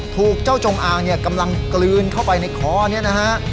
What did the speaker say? ถูกเจ้าจงอางเนี่ยกำลังกลืนเข้าไปในคอนี้นะฮะ